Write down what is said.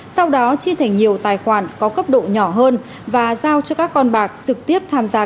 sau đó chia thành nhiều tài khoản có cấp độ nhỏ hơn và giao cho các con bạc trực tiếp tham gia